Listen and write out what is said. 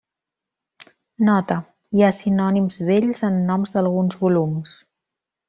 Nota: hi ha sinònims vells en noms d'alguns volums.